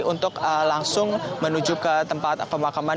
untuk langsung menuju ke tempat pemakaman